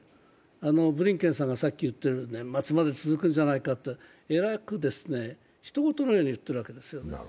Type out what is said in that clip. ブリンケンさんがさっき言っている、年末まで続くんじゃないかとえらくひと事のように言っているわけですよね。